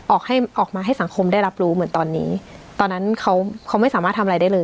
ออกให้ออกมาให้สังคมได้รับรู้เหมือนตอนนี้ตอนนั้นเขาเขาไม่สามารถทำอะไรได้เลย